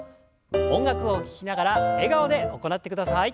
音楽を聞きながら笑顔で行ってください。